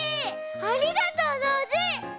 ありがとうノージー！